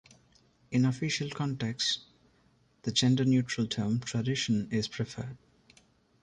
In official contexts the gender-neutral term "tradition" is preferred.